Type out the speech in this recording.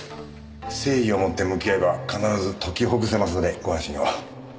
誠意をもって向き合えば必ず解きほぐせますのでご安心を。